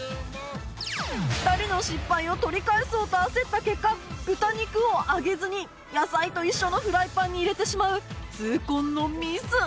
２人の失敗を取り返そうと焦った結果豚肉を揚げずに野菜と一緒のフライパンに入れてしまう痛恨のミス